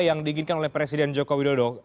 yang diinginkan oleh presiden joko widodo